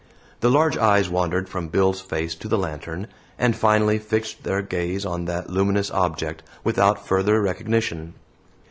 The large eyes wandered from Bill's face to the lantern, and finally fixed their gaze on that luminous object, without further recognition.